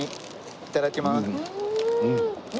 いただきます。